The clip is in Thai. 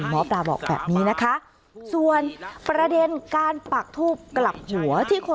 หมอปลาบอกแบบนี้นะคะส่วนประเด็นการปักทูบกลับหัวที่คน